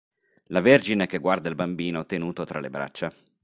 La Vergine che guarda il Bambino tenuto tra le braccia.